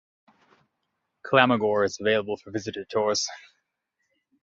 "Clamagore" is available for visitor tours.